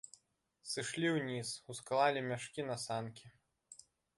Сышлі ўніз, усклалі мяшкі на санкі.